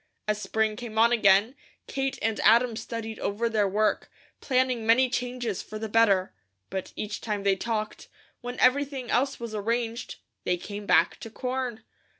As spring came on again, Kate and Adam studied over their work, planning many changes for the better, but each time they talked, when everything else was arranged, they came back to corn.